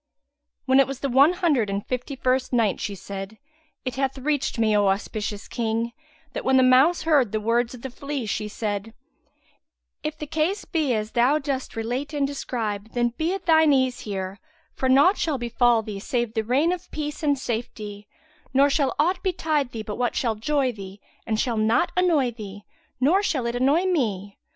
When it was the One Hundred and Fifty first Night She said, It hath reached me, O auspicious King, that when the mouse heard the words of the flea, she said, "If the case be as thou dost relate and describe, then be at thine ease here; for naught shall befal thee save the rain of peace and safety; nor shall aught betide thee but what shall joy thee and shall not annoy thee, nor shall it annoy me.